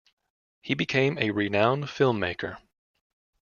He became a renowned film maker.